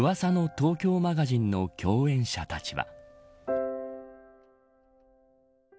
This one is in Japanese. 東京マガジンの共演者たちは。